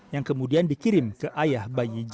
yang kemudian dikirim ke ayah bayi j